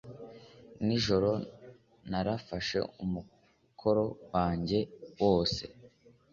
Nijoro narafashe umukoro wanjye wose.